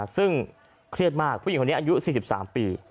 ซึ่งเครียดมากผู้หญิงคนนี้อายุ๔๓ปี